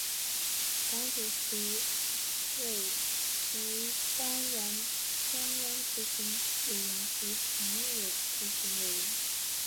党主席为为当然中央执行委员及常务执行委员。